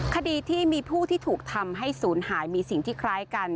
คดีที่มีผู้ที่ถูกทำให้ศูนย์หายมีสิ่งที่คล้ายกัน